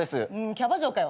キャバ嬢かよ。